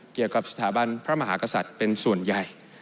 เกี่ยวกับสถาบันพระมหากษัตริย์เป็นส่วนใหญ่